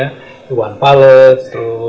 untuk mengembangkan dari teman teman di sekolah